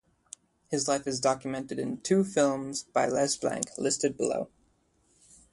His life is documented in two films by Les Blank, listed below.